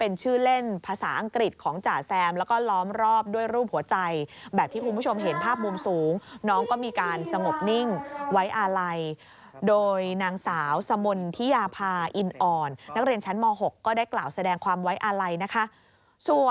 นอกจากติดป้ายหน้าโรงเรียนแล้ว